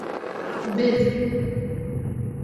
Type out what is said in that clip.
— Беҙ...